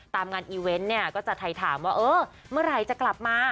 ตามงานอีเวนท์นี้ก็จะถ่ายถามว่าเมื่อไรจะกลับมา